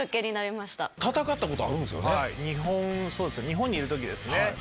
日本にいる時ですね。